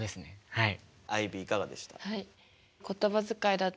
はい。